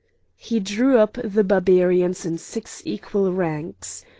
He drew up the Barbarians in six equal ranks.